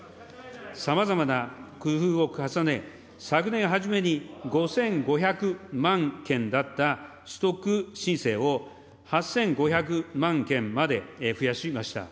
さまざまな工夫を重ね、昨年初めに５５００万件だった取得申請を、８５００万件まで増やしました。